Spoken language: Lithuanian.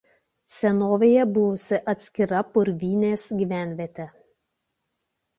Senovėje buvusi atskira Purvynės gyvenvietė.